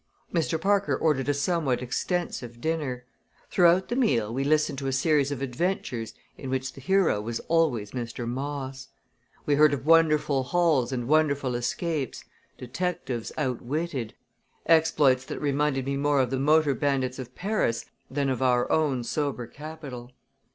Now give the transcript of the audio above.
Mr. Parker ordered a somewhat extensive dinner. Throughout the meal we listened to a series of adventures in which the hero was always Mr. Moss. We heard of wonderful hauls and wonderful escapes; detectives outwitted exploits that reminded me more of the motor bandits of Paris than of our own sober capital.